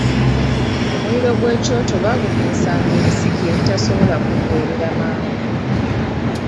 Omuliro ogw’ekyoto baagukumisanga ebisiki ebitasobola kuggwerera mangu.